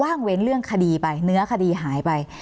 คุณจอมขอบพระคุณครับ